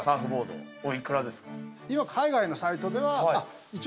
海外のサイトでは一応。